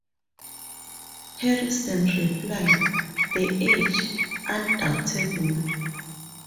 Harrison replied, The age, undoubtedly!